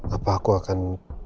apa aku akan